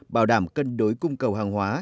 bảo đảm cân đối cung cầu hàng hóa